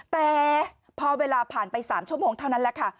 แต่พอเวลาผ่านไป๓ชั่วโมงเท่านั้นแหละค่ะ